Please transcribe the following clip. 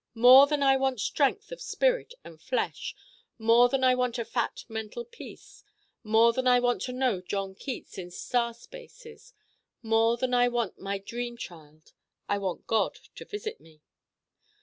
More than I want strength of spirit and flesh, more than I want a fat mental peace, more than I want to know John Keats in star spaces: more than I want my dream Child: I want God to visit me.